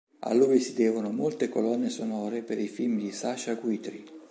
A lui si devono molte colonne sonore per i film di Sacha Guitry.